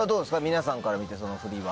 皆さんから見てその振りは。